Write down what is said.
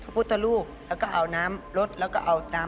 พระพุทธรูปแล้วก็เอาน้ำใต้ฐานพระพุทธรูป